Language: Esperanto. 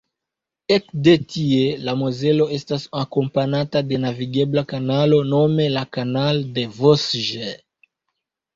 Ekde tie la Mozelo estas akompanata de navigebla kanalo, nome la Canal des Vosges.